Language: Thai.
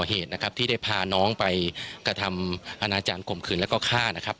เหตุนะครับที่ได้พาน้องไปกระทำอาณาจารย์ข่มขืนแล้วก็ฆ่านะครับ